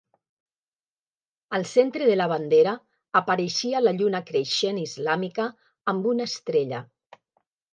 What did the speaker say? Al centre de la bandera apareixia la lluna creixent islàmica amb una estrella.